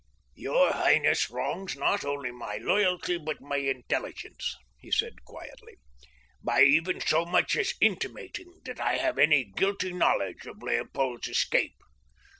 "Your highness wrongs not only my loyalty, but my intelligence," he said quietly, "by even so much as intimating that I have any guilty knowledge of Leopold's escape.